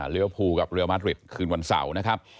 เรื้อผูกับเรื้อมาอดริตคืนวันเสาร์นะครับ